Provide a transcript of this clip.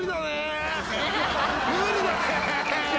無理だね。